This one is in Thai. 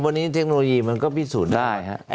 วันนี้เทคโนโลยีมันก็พิสูจน์ได้